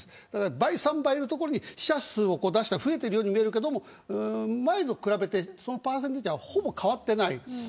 倍、３倍のところに死者数を出して増えているように見えるけども前と比べてそのパーセンテージはほぼ変わっていない。